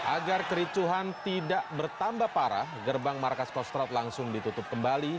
agar kericuhan tidak bertambah parah gerbang markas kostrat langsung ditutup kembali